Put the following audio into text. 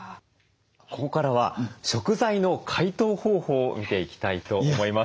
ここからは食材の解凍方法を見ていきたいと思います。